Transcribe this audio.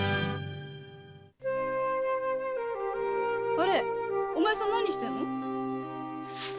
あれお前さん何してんの？